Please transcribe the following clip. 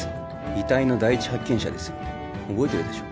遺体の第一発見者ですよ覚えてるでしょ？